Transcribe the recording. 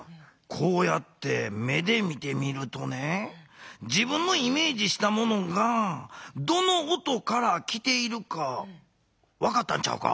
こうやって目で見てみるとね自分のイメージしたものがどの音から来ているかわかったんちゃうか？